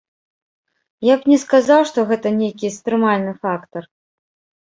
Я б не сказаў, што гэта нейкі стрымальны фактар.